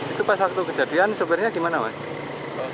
itu pas waktu kejadian sopirnya gimana mas